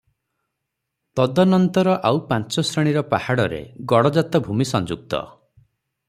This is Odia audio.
ତଦନନ୍ତର ଆଉ ପାଞ୍ଚ ଶ୍ରେଣୀର ପାହାଡ଼ରେ ଗଡ଼ଜାତ ଭୂମି ସଂଯୁକ୍ତ ।